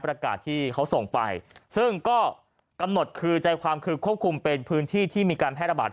ประกาศที่เขาส่งไปซึ่งก็กำหนดคือใจความคือควบคุมเป็นพื้นที่ที่มีการแพร่ระบาด